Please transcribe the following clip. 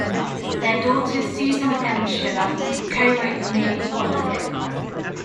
Their daughter Susan Emshwiller co-wrote the movie Pollock.